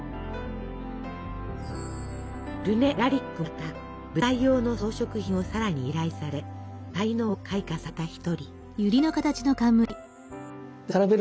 ルネ・ラリックもまた舞台用の装飾品をサラに依頼され才能を開花させた一人。